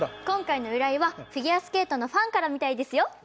今回の依頼はフィギュアスケートのファンからみたいですよ。